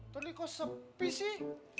tuh ini kok sepi sih